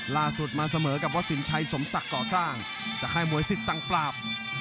ล่าสุดมาเสมอกับวัดสินชัยสมศักดิ์ก่อสร้างจากค่ายมวยสิทธิสังปราบ